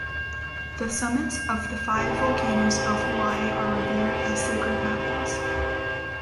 The summits of the five volcanoes of Hawaii are revered as sacred mountains.